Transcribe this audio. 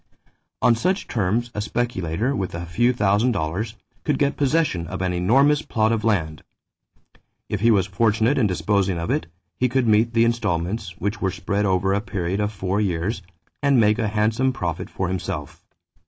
On such terms a speculator with a few thousand dollars could get possession of an enormous plot of land. If he was fortunate in disposing of it, he could meet the installments, which were spread over a period of four years, and make a handsome profit for himself.